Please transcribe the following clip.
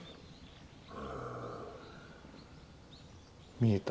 見えた？